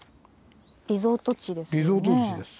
リゾート地ですよね。